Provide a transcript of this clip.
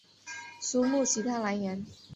书目其它来源